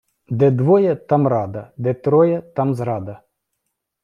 Де двоє, там рада, де троє, там зрада.